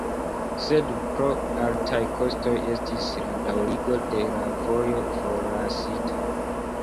Sed pro altaj kostoj estis la daŭrigo de la vojo forlasita.